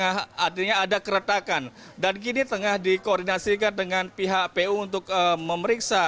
artinya ada keretakan dan kini tengah dikoordinasikan dengan pihak pu untuk memeriksa